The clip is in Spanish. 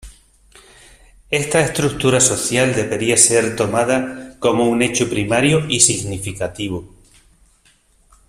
Esta estructura social debería ser tomada como un hecho primario y significativo.